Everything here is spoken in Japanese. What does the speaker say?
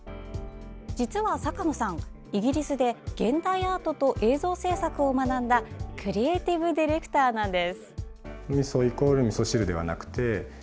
実は坂野さん、イギリスで現代アートと映像制作を学んだクリエイティブディレクターなんです。